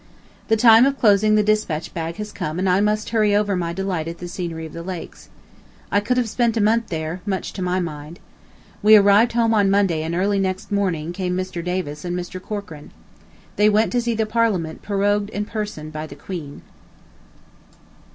The time of closing the despatch bag has come and I must hurry over my delight at the scenery of the lakes. I could have spent a month there, much to my mind. We arrived home on Monday and early next morning came Mr. Davis and Mr. Corcoran. They went to see the Parliament prorogued in person by the Queen.